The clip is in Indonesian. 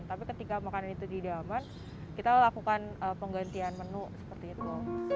tapi ketika makanan itu tidak aman kita lakukan penggantian menu seperti itu